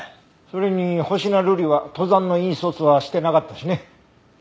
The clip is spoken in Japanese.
それに星名瑠璃は登山の引率はしてなかったしね。